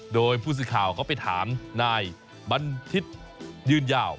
โดยผู้สื่อข่าวเขาไปถามนายบันทิศยืนยาว